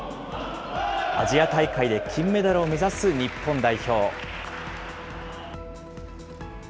アジア大会で金メダルを目指す日本代表。